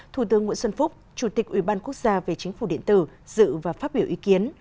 thủ tướng nguyễn xuân phúc chủ tịch ubnd về chính phủ điện tử dự và phát biểu ý kiến